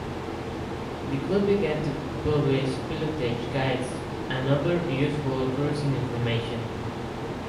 The club began to publish pilotage guides and other useful cruising information.